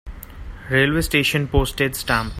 Railway station Postage stamp.